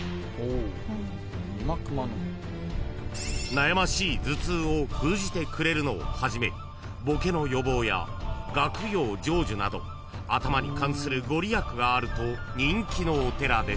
［悩ましい頭痛を封じてくれるのをはじめぼけの予防や学業成就など頭に関する御利益があると人気のお寺です］